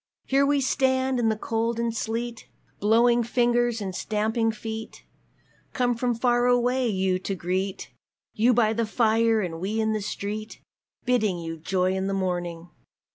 Here we stand in the cold and the sleet, Blowing fingers and stamping feet, Come from far away you to greet You by the fire and we in the street Bidding you joy in the morning!